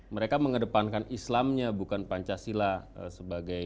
mereka mengedepankan islamnya bukan pancasila sebagai